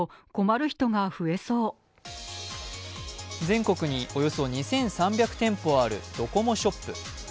全国におよそ２３００店舗あるドコモショップ。